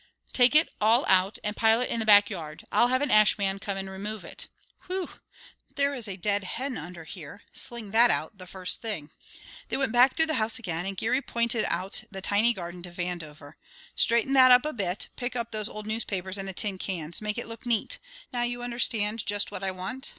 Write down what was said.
"Take it all out and pile it in the back yard. I'll have an ashman come and remove it. Whew! there is a dead hen under here; sling that out the first thing." They went back through the house again, and Geary pointed out the tiny garden to Vandover. "Straighten that up a bit, pick up those old newspapers and the tin cans. Make it look neat. Now you understand just what I want?